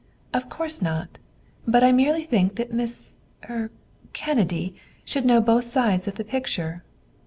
"Of course not. But I merely think that Miss er Kennedy should know both sides of the picture."